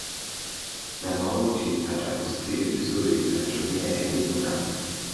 na mauti atakustiri vizuri atatumia elimu na